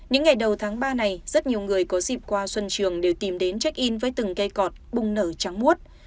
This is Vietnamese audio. những ngày đầu tháng ba này rất nhiều người có dịp qua xuân trường đều tìm đến check in với từng cây cọt bùng nở trắng muốt